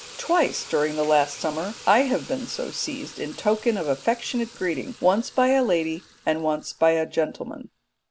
Twice during the last summer I have been so seized in token of affectionate greeting, once by a lady and once by a gentleman.